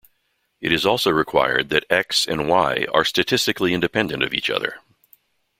It is also required that "X" and "Y" are statistically independent of each other.